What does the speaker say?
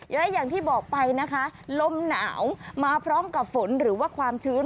และอย่างที่บอกไปนะคะลมหนาวมาพร้อมกับฝนหรือว่าความชื้น